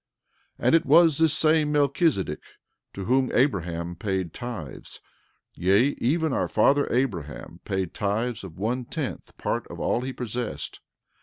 13:15 And it was this same Melchizedek to whom Abraham paid tithes; yea, even our father Abraham paid tithes of one tenth part of all he possessed.